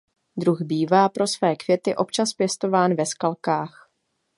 Druh bývá pro své květy občas pěstován ve skalkách.